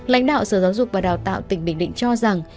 lãnh đạo sở giáo dục và đào tạo tỉnh bình định cho rằng